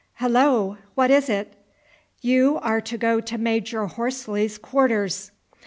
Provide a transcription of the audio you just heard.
"Hullo! What is it?" "You are to go to Major Horsley's quarters."